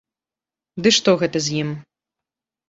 Ды што гэта з ім?